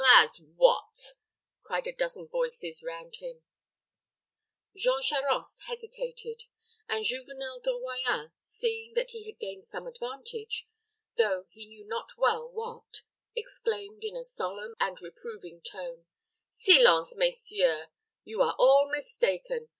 as what?" cried a dozen voices round him. Jean Charost hesitated; and Juvenel de Royans, seeing that he had gained some advantage, though he knew not well what, exclaimed, in a solemn and reproving tone, "Silence, messieurs. You are all mistaken.